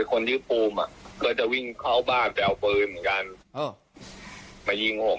ก็จะวิ่งเข้าบ้านไปเอาปืนเหมือนกันมายิงผม